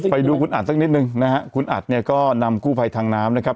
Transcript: ไปดูคุณอัดสักนิดนึงนะฮะคุณอัดเนี่ยก็นำกู้ภัยทางน้ำนะครับ